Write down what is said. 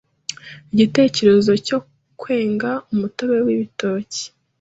Igitekerezo cyo kwenga umutobe w’ibitoki,